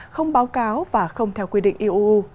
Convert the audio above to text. không báo cáo và không theo quy định iuu